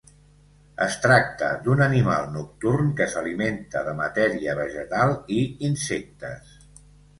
Es tracta d'un animal nocturn que s'alimenta de matèria vegetal i insectes.